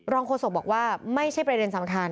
โฆษกบอกว่าไม่ใช่ประเด็นสำคัญ